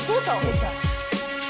出た！